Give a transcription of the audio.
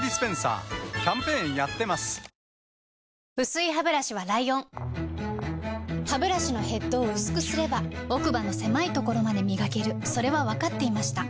薄いハブラシはライオンハブラシのヘッドを薄くすれば奥歯の狭いところまで磨けるそれは分かっていました